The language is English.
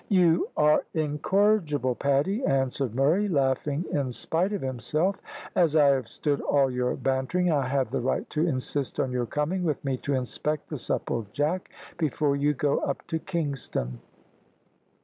"You are incorrigible, Paddy," answered Murray, laughing in spite of himself. "As I have stood all your bantering, I have the right to insist on your coming with me to inspect the Supplejack before you go up to Kingston."